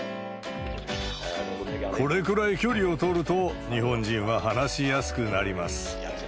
これくらい距離を取ると、日本人は話しやすくなります。